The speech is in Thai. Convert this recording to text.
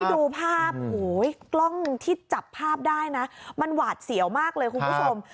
ดูภาพกล้องที่จับภาพได้นะมันหวาดเสียวมากเลยคุณผู้ชม